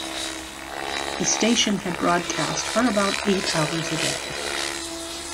The station had broadcast for about eight hours a day.